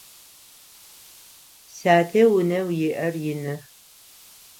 Сятэ унэу иӏэр ины.